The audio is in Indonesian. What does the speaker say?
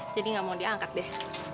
jadi gak mau diangkat deh